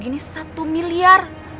gini satu miliar